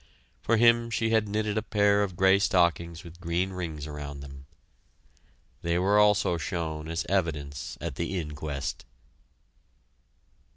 For him she had knitted a pair of gray stockings with green rings around them. They were also shown as evidence at the inquest!